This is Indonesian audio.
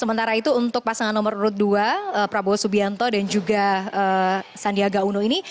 sementara itu untuk pasangan nomor urut dua prabowo subianto dan juga sandiaga uno ini